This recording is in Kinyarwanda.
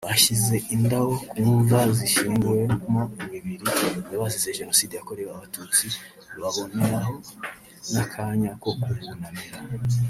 Bashyize indabo ku mva zishyinguyemo imibiri y'abazize Jenoside yakorewe abatutsi baboneraho nakanya ko kubunamira